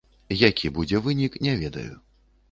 Які будзе вынік, не ведаю.